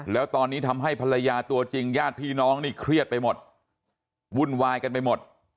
แล้วตอนนี้ทำให้ภรรยาตัวจริงญาติพี่น้องนี่เครียดไปหมดวุ่นวายกันไปหมด